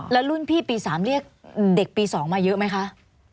แล้วรุ่นพี่ปี๓เรียกเด็กปี๒มาเยอะไหมคะ